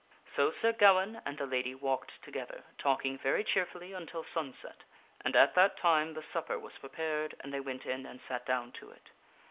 So Sir Gawaine and the lady walked together, talking very cheerfully, until sunset, and at that time the supper was prepared and they went in and sat down to it.